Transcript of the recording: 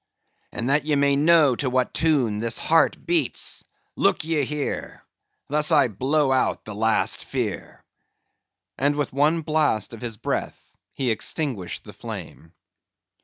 And that ye may know to what tune this heart beats; look ye here; thus I blow out the last fear!" And with one blast of his breath he extinguished the flame.